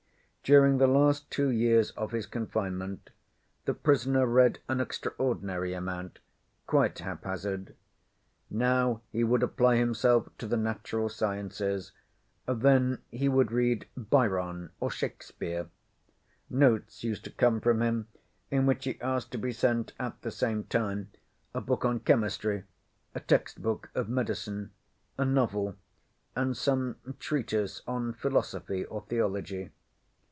During the last two years of his confinement the prisoner read an extraordinary amount, quite haphazard. Now he would apply himself to the natural sciences, then he would read Byron or Shakespeare. Notes used to come from him in which he asked to be sent at the same time a book on chemistry, a text book of medicine, a novel, and some treatise on philosophy or theology.